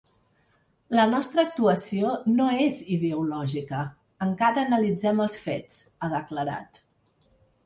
La nostra actuació no és ideològica; encara analitzem els fets, ha declarat.